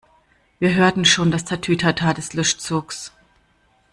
Wir hörten schon das Tatütata des Löschzugs.